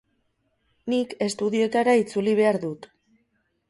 Nik estudioetara itzuli behar dut.